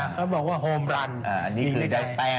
เขาบอกว่าโฮมรันอันนี้คือได้แป้ง